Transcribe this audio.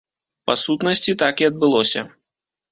Па сутнасці, так і адбылося.